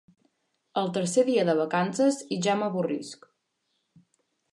El tercer dia de vacances i ja m'avorrisc.